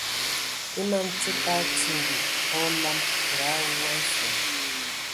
E man tsid a atimbi a olam nga awū a nsom.